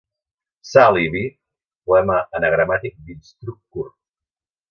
«Sal i vi», poema anagramàtic dins Truc curt.